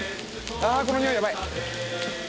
あこのにおいやばい